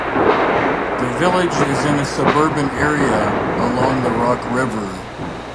The village is in a suburban area along the Rock River.